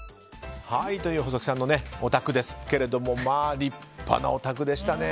細木さんのお宅ですけどもまあ、立派なお宅でしたね。